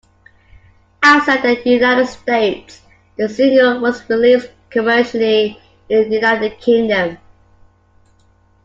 Outside the United States, the single was released commercially in the United Kingdom.